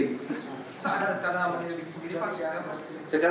kita ada rencana menyelidiki sendiri pak